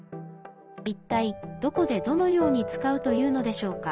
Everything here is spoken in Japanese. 一体、どこで、どのように使うというのでしょうか。